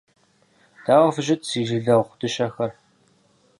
Дауэ фыщыт, си жылэгъу дыщэхэ!